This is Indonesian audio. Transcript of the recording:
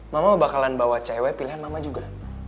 mama bakalan bawa cewek pilihan mama juga